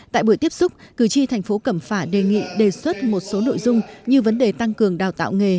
tại buổi tiếp xúc cử tri thành phố cẩm phả đề nghị đề xuất một số nội dung như vấn đề tăng cường đào tạo nghề